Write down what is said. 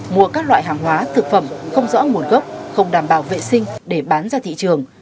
mua các loại hàng hóa thực phẩm không rõ nguồn gốc không đảm bảo vệ sinh để bán ra thị trường